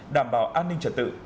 đảm bảo an ninh trật tự